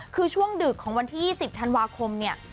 คือช่วงดึกของวันที่๒๐ธันวาคมเนี่ย